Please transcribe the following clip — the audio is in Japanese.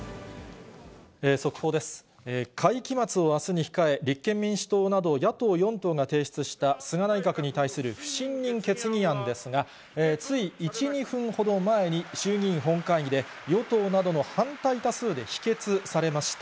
会期末をあすに控え、立憲民主党など、野党４党が提出した菅内閣に対する不信任決議案ですが、つい１、２分ほど前に、衆議院本会議で与党などの反対多数で否決されました。